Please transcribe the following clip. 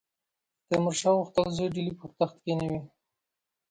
تیمورشاه غوښتل زوی ډهلي پر تخت کښېنوي.